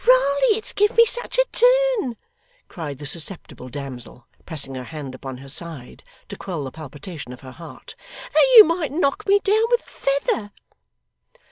Raly it's give me such a turn,' cried the susceptible damsel, pressing her hand upon her side to quell the palpitation of her heart, 'that you might knock me down with a feather.